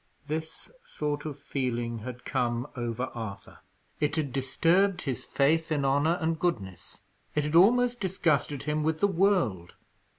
This sort of feeling had come over Arthur. It had disturbed his faith in honour and goodness it had almost disgusted him with the world.